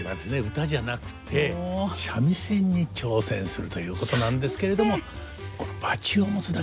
唄じゃなくて三味線に挑戦するということなんですけれども難しそう。